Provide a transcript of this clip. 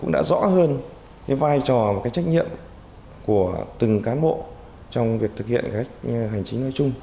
trò một cái trách nhiệm của từng cán bộ trong việc thực hiện các hành chính nói chung